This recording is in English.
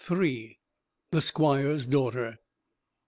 THE SQUIRE'S DAUGHTER.